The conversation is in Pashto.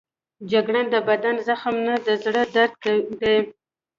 جګړه د بدن زخم نه، د زړه درد دی